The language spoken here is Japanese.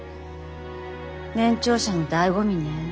年長者のだいご味ね。